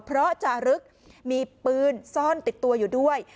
เพราะจารึกมีปืนซ่อนติดตัวอยู่ด้วย